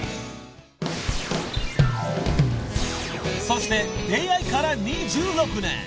［そして出会いから２６年］